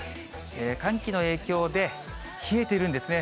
寒気の影響で冷えてるんですね。